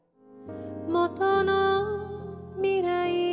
「元の未来」